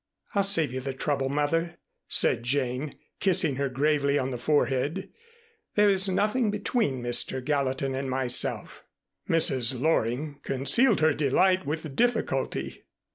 "I'll save you the trouble, Mother," said Jane, kissing her gravely on the forehead. "There is nothing between Mr. Gallatin and myself." Mrs. Loring concealed her delight with difficulty.